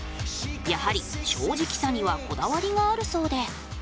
やはり正直さにはこだわりがあるそうで。